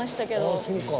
ああそうか。